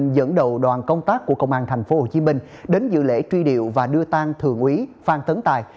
dẫn đầu đoàn công tác của công an tp hcm đến dự lễ truy điệu và đưa tang thượng úy phan tấn tài